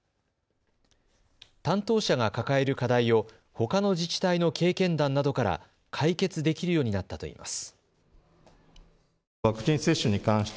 担当者が抱える課題をほかの自治体の経験談などから解決できるようになったといいます。